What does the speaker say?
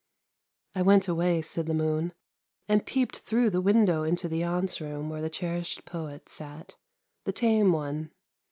'" I went away," said the moon, " and peeped through the window into the aunt's room where the cherished poet sat, the tame one.